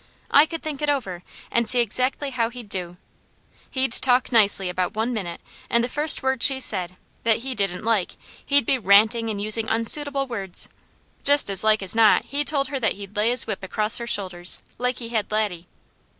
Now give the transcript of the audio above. I could think it over, and see exactly how he'd do. He'd talk nicely about one minute, and the first word she said, that he didn't like, he'd be ranting, and using unsuitable words. Just as like as not he told her that he'd lay his whip across her shoulders, like he had Laddie.